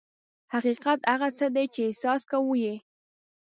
حقیقت هغه څه دي چې احساس کوو یې.